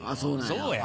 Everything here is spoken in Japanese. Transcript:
そうや。